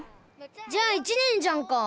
じゃあ１年じゃんか。